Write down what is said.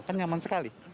kan nyaman sekali